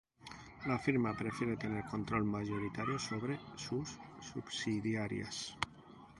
La firma prefiere tener control mayoritario sobre sus subsidiarias.